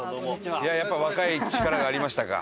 いややっぱ若い力がありましたか。